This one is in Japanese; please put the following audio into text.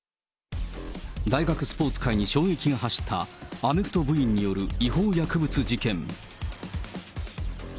大学スポーツ界に衝撃が走った、アメフト部員による違法薬物事件。